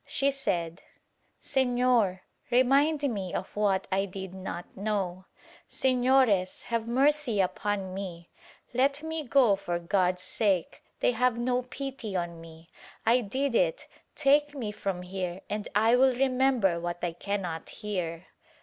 She said "Sefior, remind me of what I did not know — Sefiores have mercy upon me — let me go for God's sake — they have no pity on me — I did it — take me from here and I will remember what I cannot here."